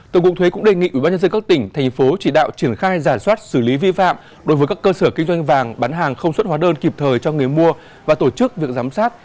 tổng cục thuế cũng đề nghị ubnd các tỉnh thành phố chỉ đạo triển khai giả soát xử lý vi phạm đối với các cơ sở kinh doanh vàng bán hàng không xuất hóa đơn kịp thời cho người mua và tổ chức việc giám sát